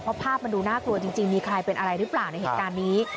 เพราะภาพมันดูน่ากลัวจริงมีใครเป็นอะไรหรือเปล่าในเหตุการณ์นี้